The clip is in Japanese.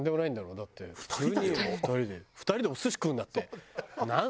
だって普通に２人で２人でお寿司食うんだって。